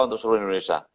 untuk seluruh indonesia